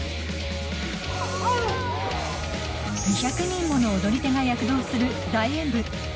２００人もの踊り手が躍動する大演舞